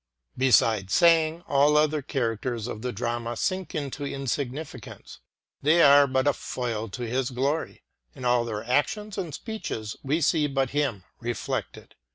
Beside Sang, all other characters of the drama sink into insignificance. They are but a foil to his glory. In all their actions and speeches we see but him reflected.